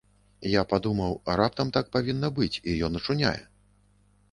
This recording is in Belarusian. Я падумаў, а раптам так павінна быць, і ён ачуняе.